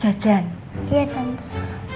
ja jan nya di kantin